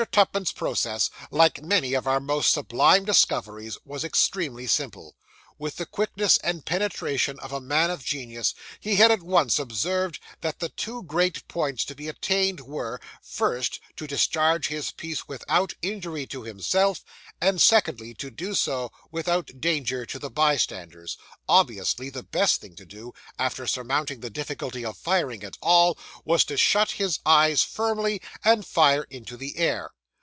Tupman's process, like many of our most sublime discoveries, was extremely simple. With the quickness and penetration of a man of genius, he had at once observed that the two great points to be attained were first, to discharge his piece without injury to himself, and, secondly, to do so, without danger to the bystanders obviously, the best thing to do, after surmounting the difficulty of firing at all, was to shut his eyes firmly, and fire into the air.